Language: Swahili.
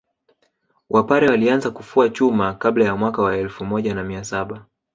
Wapare walianza kufua chuma kabla ya mwaka wa elfu moja na mia saba